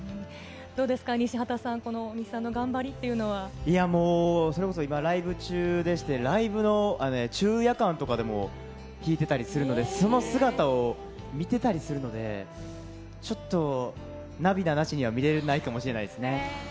どうでしょうか、西畑さん、大西さんの頑張りというのは。もうそれこそ今ライブ中でして、ライブの昼夜間とかでも弾いてたりするので、その姿を見てたりするので、ちょっと涙なしには見れないかもしれないですね。